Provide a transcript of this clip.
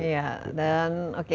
ya dan oke